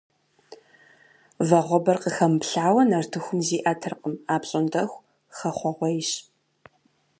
Вагъуэбэр къыхэмыплъауэ нартыхум зиӀэтыркъым, апщӀондэху хэхъуэгъуейщ.